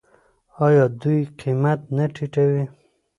آیا دوی قیمت نه ټیټوي؟